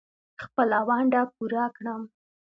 خپله ونډه پوره کړم.